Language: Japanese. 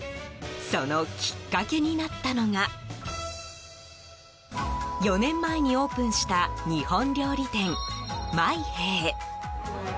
そのきっかけになったのが４年前にオープンした日本料理店、マイヘイ。